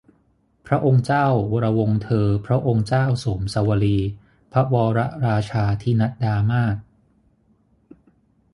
พระเจ้าวรวงศ์เธอพระองค์เจ้าโสมสวลี พระวรราชาทินัดดามาตุ